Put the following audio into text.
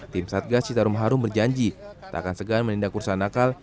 tim satgas citarum harum berjanji tak akan segan menindak kursa nakal